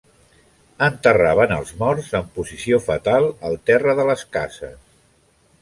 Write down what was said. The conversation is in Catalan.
Enterraven els morts en posició fetal, al terra de les cases.